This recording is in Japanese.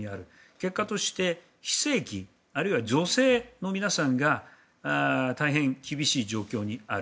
結果として非正規、あるいは女性の皆さんが大変厳しい状況にある。